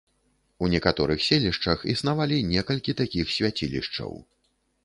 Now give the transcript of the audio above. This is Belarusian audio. У некаторых селішчах існавалі некалькі такіх свяцілішчаў.